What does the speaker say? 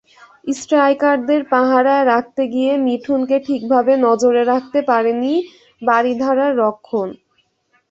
স্ট্রাইকারদের পাহারায় রাখতে গিয়ে মিঠুনকে ঠিকভাবে নজরে রাখতে পারেনি বারিধারার রক্ষণ।